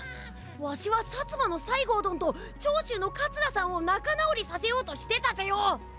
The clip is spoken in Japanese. ワシは薩摩の西郷どんと長州の桂さんをなかなおりさせようとしてたぜよ！